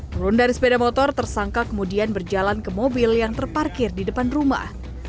turun dari sepeda motor tersangka kemudian berjalan ke mobil yang terparkir di depan rumah